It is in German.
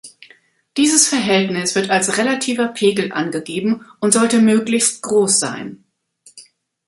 Dieses Verhältnis wird als relativer Pegel angegeben und sollte möglichst groß sein.